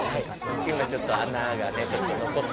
今ちょっと。